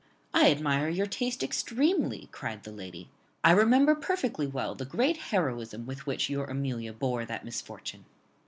"I admire your taste extremely," cried the lady; "I remember perfectly well the great heroism with which your Amelia bore that misfortune."